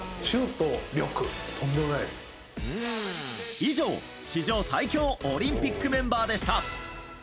以上、史上最強オリンピックメンバーでした！